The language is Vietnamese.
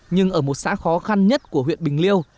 nhưng ở một xã khó khăn nhất của huyện bình liêu